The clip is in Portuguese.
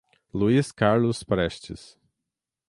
Luiz Carlos Prestes